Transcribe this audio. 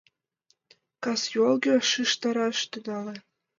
Кас юалге шижтараш тӱҥале.